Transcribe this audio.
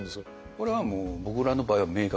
これはもう僕らの場合は明確です。